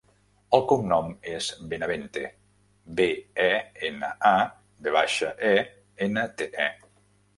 El cognom és Benavente: be, e, ena, a, ve baixa, e, ena, te, e.